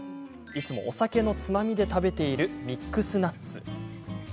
いつもお酒のつまみで食べているミックスナッツ。